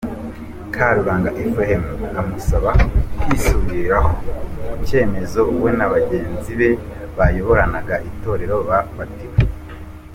Karuranga Ephrem, amusaba kwisubiraho ku cyemezo we na bagenzi be bayoboranaga Itorero bafatiwe.